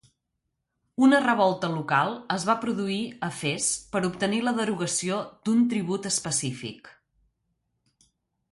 Una revolta local es va produir a Fes per obtenir la derogació d'un tribut específic.